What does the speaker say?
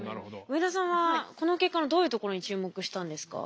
上田さんはこの結果のどういうところに注目したんですか？